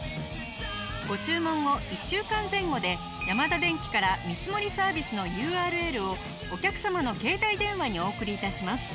ご注文後１週間前後でヤマダデンキから見積もりサービスのＵＲＬをお客様の携帯電話にお送り致します。